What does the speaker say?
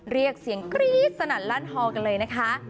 เรียกเสียงกรี๊ดสนั่นลั่นฮอกันเลยนะคะ